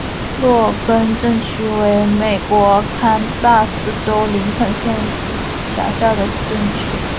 洛根镇区为美国堪萨斯州林肯县辖下的镇区。